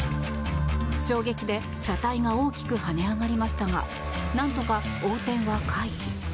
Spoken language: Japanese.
衝撃で車体が大きく跳ね上がりましたがなんとか横転は回避。